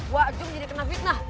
wak jung jadi kena fitnah